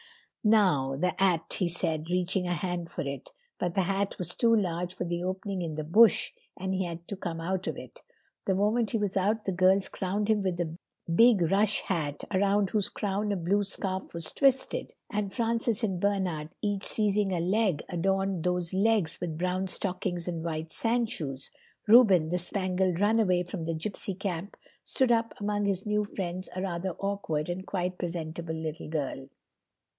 "Now the 'at," he said, reaching a hand for it. But the hat was too large for the opening in the bush, and he had to come out of it. The moment he was out the girls crowned him with the big rush hat, around whose crown a blue scarf was twisted, and Francis and Bernard each seizing a leg, adorned those legs with brown stockings and white sandshoes. Reuben, the spangled runaway from the gypsy camp, stood up among his new friends a rather awkward and quite presentable little girl.